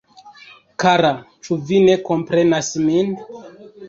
Kara ĉu vi ne komprenas min?